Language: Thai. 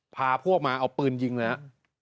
พาพวกมาเอาปืนยิงเลยฮะ